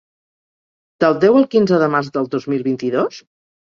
Del deu al quinze de març del dos mil vint-i-dos?